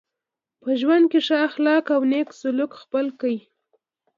په ژوند کي ښه اخلاق او نېک سلوک خپل کئ.